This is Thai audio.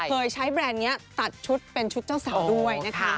เคยใช้แบรนด์นี้ตัดชุดเป็นชุดเจ้าสาวด้วยนะคะ